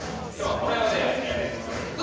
今日はこれをやりたいと思います。